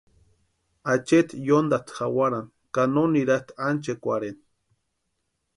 Acheeti yóntasti jawarani ka no nirasti ánchekwarheni.